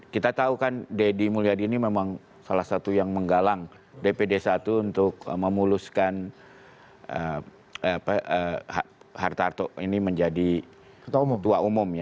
kita tahu kan deddy mulyadi ini memang salah satu yang menggalang dpd satu untuk memuluskan hartarto ini menjadi ketua umum ya